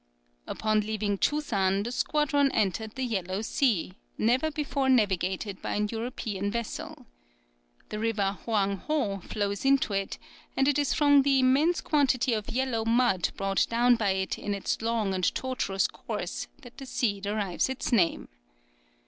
Upon leaving Chusan, the squadron entered the Yellow Sea, never before navigated by an European vessel. The river Hoang Ho flows into it, and it is from the immense quantity of yellow mud brought down by it in its long and tortuous course that the sea derives its name.